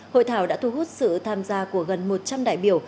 hội thảo đã thu hút sự tham gia của gần một trăm linh đại biểu